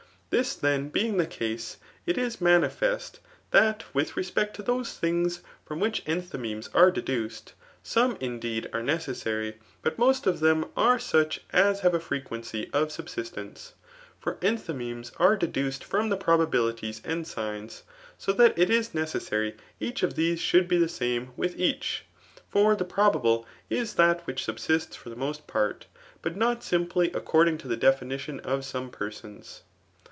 This .then bemg die ease^ iti Bi ibaid£est that with respect to those thingsfiom v^li^ ^ndiymemes are deduced, some^ mdeed,. are necessary, btft most of. them are such as have a freqaesoy of subsist.*' cnce. For entfaymbmes are deduced from . probabilMis^ aods^os} iso that it is necessary each of these ehouldbtf! the ^me with each/ For the probable is d^c whidl^ sidmsts for the most part^ but not simply, aecovdmg w Aedc&aition .of some persons.